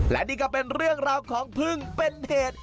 และนี่ก็เป็นเรื่องราวของพึ่งเป็นเหตุ